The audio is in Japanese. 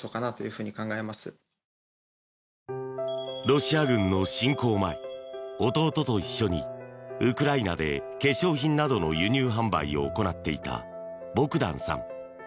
ロシア軍の侵攻前弟と一緒にウクライナで化粧品などの輸入販売を行っていた、ボグダンさん。